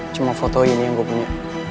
cuma foto ini yang gue punya